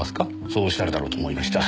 そうおっしゃるだろうと思いました。